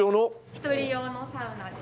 一人用のサウナで。